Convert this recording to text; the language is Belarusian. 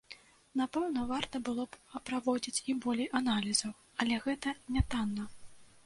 Напэўна, варта было б праводзіць і болей аналізаў, але гэта нятанна.